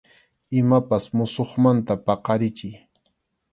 Imapas musuqmanta paqarichiy.